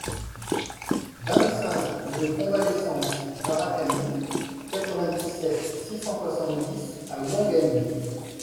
vingt-cinq rUE CONVALESCENCE BARAKANI, quatre-vingt-dix-sept, six cent soixante-dix à Ouangani